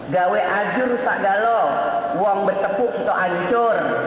gawe ajur rusak galo uang bertepuk itu ancur